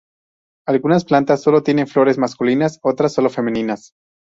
Algunas plantas sólo tienen flores masculinas, otras sólo femeninas.